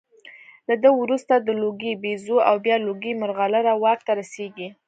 له ده وروسته د لوګي بیزو او بیا لوګي مرغلره واک ته رسېږي